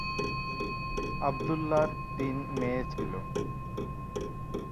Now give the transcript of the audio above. আবদুল্লাহর তিন মেয়ে ছিল।